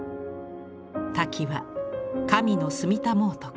滝は神の住みたもう所。